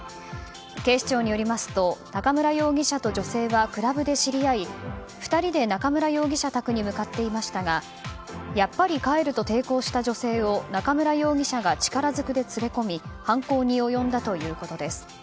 警視庁によりますと中村容疑者と女性はクラブで知り合い２人で中村容疑者宅に向かっていましたがやっぱり帰ると抵抗した女性を中村容疑者が力ずくで連れ込み犯行に及んだということです。